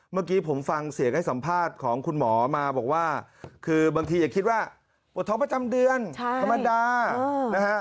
เมื่อกี้ผมฟังเสียงให้สัมภาษณ์ของคุณหมอมาบอกว่าคือบางทีอย่าคิดว่าปวดท้องประจำเดือนธรรมดานะฮะ